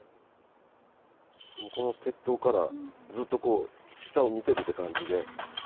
もうこの鉄塔からずっとこう、下を見てるっていう感じで。